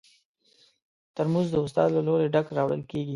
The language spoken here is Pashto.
ترموز د استاد له لوري ډک راوړل کېږي.